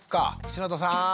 篠田さん！